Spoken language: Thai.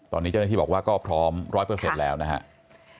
ตอนนี้เจ้าหน้าที่บอกว่าก็พร้อม๑๐๐แล้วนะครับ